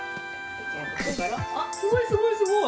あすごいすごいすごい！